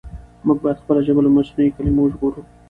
موږ بايد خپله ژبه له مصنوعي کلمو وژغورو.